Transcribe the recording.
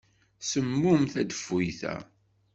Semmum tadeffuyt-a.